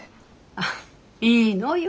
ああいいのよ